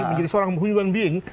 menjadi seorang human being